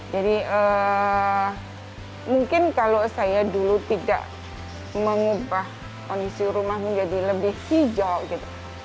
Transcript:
jadi mungkin kalau saya dulu tidak mengubah kondisi rumah menjadi lebih hijau gitu